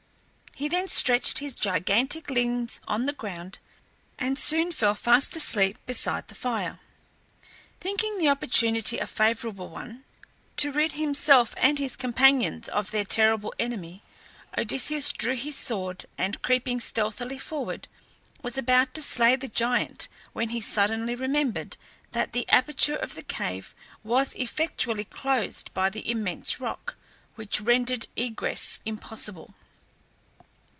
He then stretched his gigantic limbs on the ground, and soon fell fast asleep beside the fire. Thinking the opportunity a favourable one to rid himself and his companions of their terrible enemy, Odysseus drew his sword, and, creeping stealthily forward, was about to slay the giant when he suddenly remembered that the aperture of the cave was effectually closed by the immense rock, which rendered egress impossible.